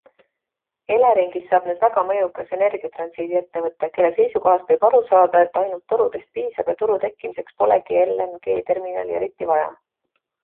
Eleringist saab nüüd väga mõjukas energiatransiidi ettevõte, kelle seisukohast võib aru saada, et ainult torudest piisab ja turu tekkimiseks polegi LNG-terminali eriti vaja.